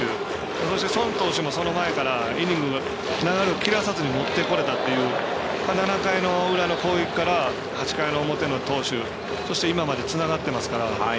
そして宋投手もその前からイニングの流れを切らさずに持ってこれたという７回の裏の攻撃から８回の表の投手そして今までつながってますから。